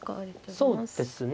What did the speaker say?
そうですね。